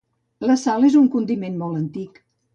La sal és un condiment molt antic.